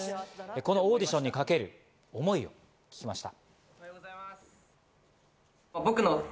このオーディションにかける思いを聞きました。